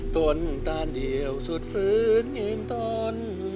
ตนตานเดียวสุดฟื้นยืนต้น